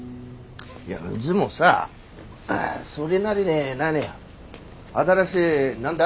いやうぢもさそれなりに何新しい何だ？